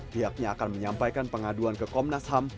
pihaknya akan menyampaikan pengaduan ke komnas ham